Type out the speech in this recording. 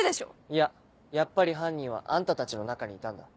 いややっぱり犯人はあんたたちの中にいたんだ。